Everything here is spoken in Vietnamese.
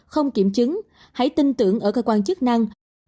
không kiểm chứng hãy tin tưởng ở cơ quan chức năng